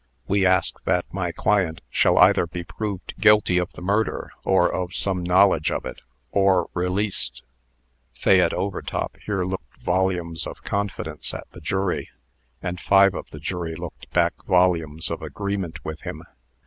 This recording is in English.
We ask that my client shall either be proved guilty of the murder, or of some knowledge of it, or released." Fayette Overtop here looked volumes of confidence at the jury; and five of the jury looked back volumes of agreement with him.